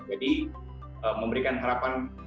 jadi memberikan harapan